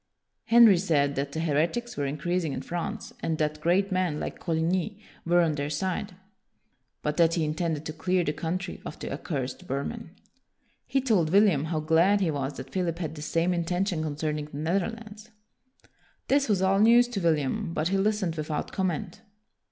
Henry said that the heretics were increasing in France, and that great men, like Coligny, were on their side, but that he intended to clear the 1 82 WILLIAM THE SILENT country of the " accursed vermin." He told William how glad he was that Philip had the same intention concerning the Netherlands. This was all news to William, but he listened without comment.